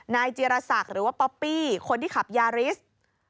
นายจีรศักดิ์หรือว่าป๊อปปี้คนที่ขับยาริส